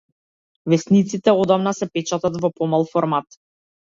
Весниците одамна се печатат во помал формат.